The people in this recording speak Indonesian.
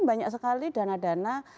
banyak sekali dana dana